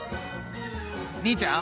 お兄ちゃん。